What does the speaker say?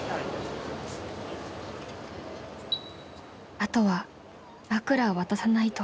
［あとは枕を渡さないと］